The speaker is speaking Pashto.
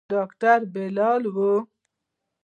ډاکتر بلال و.